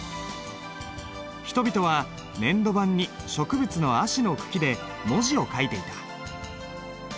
人々は粘土板に植物のアシの茎で文字を書いていた。